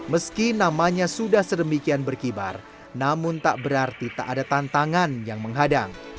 meski namanya sudah sedemikian berkibar namun tak berarti tak ada tantangan yang menghadang